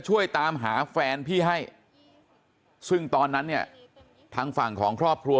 ช่วยตามหาแฟนพี่ให้ซึ่งตอนนั้นเนี่ยทางฝั่งของครอบครัว